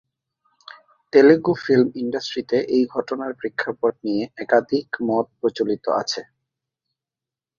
Telugu film ইন্ডাস্ট্রিতে এই ঘটনার প্রেক্ষাপট নিয়ে একাধিক মত প্রচলিত আছে।